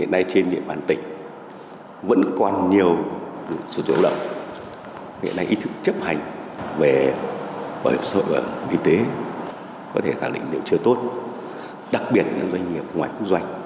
đặc biệt là những doanh nghiệp ngoài cụ doanh